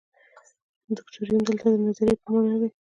دوکتورین دلته د نظریې په معنا دی.